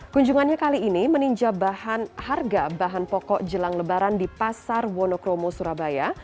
kunjungannya kali ini meninja bahan harga bahan pokok jelang lebaran di pasar wonokromo surabaya